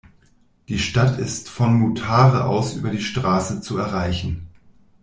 Die Stadt ist von Mutare aus über die Straße zu erreichen.